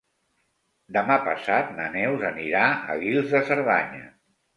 Demà passat na Neus anirà a Guils de Cerdanya.